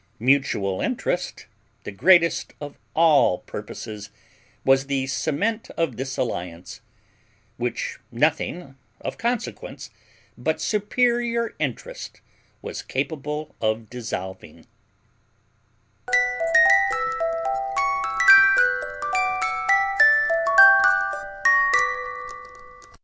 Mutual interest, the greatest of all purposes, was the cement of this alliance, which nothing, of consequence, but superior interest, was capable of dissolving.